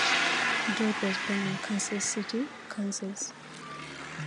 Dodd was born in Kansas City, Kansas.